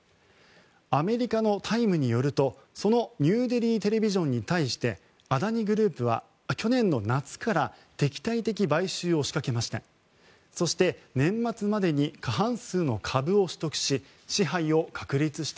アメリカの「タイム」によるとそのニューデリー・テレビジョンに対してアダニ・グループは去年の夏から敵対的買収を仕掛けました。